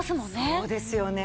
そうですよね。